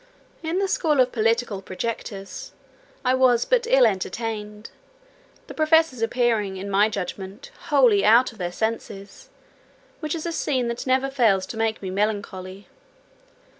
In the school of political projectors, I was but ill entertained; the professors appearing, in my judgment, wholly out of their senses, which is a scene that never fails to make me melancholy.